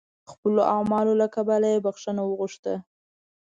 خپلو اعمالو له کبله یې بخښنه وغوښته.